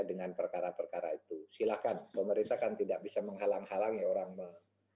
dengan perkara perkara itu silakan pemerintah kan tidak bisa menghalang halang orang mencari data